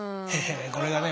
これがね